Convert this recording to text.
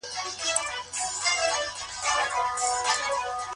کیسه کلیوالي چاپېریال ښيي.